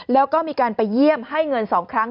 แล้วก็มีการไปเยี่ยมให้เงิน๒ครั้ง